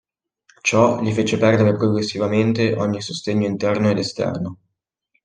Ciò gli fece perdere progressivamente ogni sostegno interno ed esterno.